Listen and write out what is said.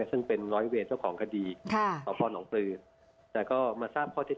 ซึ่งเป็นร้อยเวียตเจ้าของคดีของพ่อหน่องพลือแต่ก็มาทราบข้อเท็จจริง